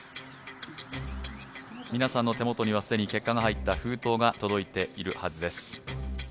皆さんの手元には既に結果の入った封筒が届いています。